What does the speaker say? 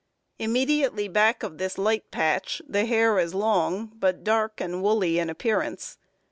Immediately back of this light patch the hair is long, but dark and woolly in appearance.